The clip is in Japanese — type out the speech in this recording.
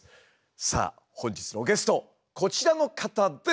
さあ本日のゲストこちらの方です！